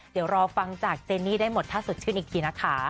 เดี๋ยวรอฟังจากเจนี่ได้หมดถ้าสดชื่นอีกทีนะคะ